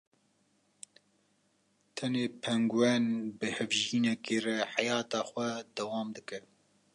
tenê pengûen bi hevjînekê re heyeta xwe dewam dike.